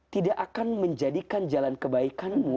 tidak akan menjadikan jalan kebaikanmu